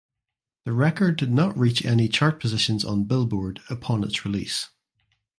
The record did not reach any chart positions on "Billboard" upon its release.